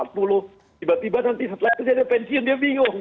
tiba tiba nanti setelah itu dia pensiun dia bingung